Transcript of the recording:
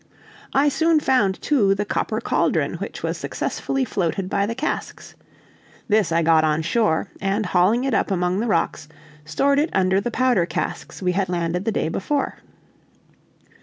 I soon found, too, the copper cauldron which was successfully floated by the casks; this I got on shore, and hauling it up among the rocks, stored under it the powder casks we had landed the day before.